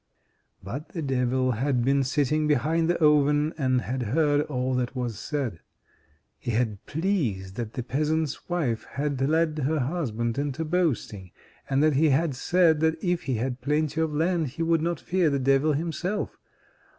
But the Devil had been sitting behind the oven, and had heard all that was said. He was pleased that the peasant's wife had led her husband into boasting, and that he had said that if he had plenty of land he would not fear the Devil himself.